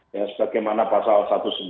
ya sebagaimana pasal satu ratus sembilan puluh